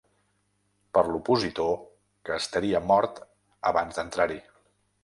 Per l’opositor, que estaria mort abans d’entrar-hi.